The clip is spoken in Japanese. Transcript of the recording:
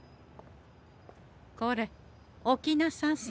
これ起きなさんせこれ！